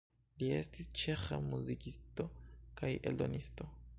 Li estis ĉeĥa muzikisto kaj eldonisto.